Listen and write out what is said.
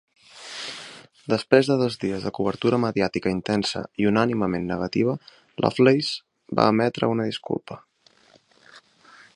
Després de dos dies de cobertura mediàtica intensa i unànimement negativa, Lovelace va emetre una disculpa.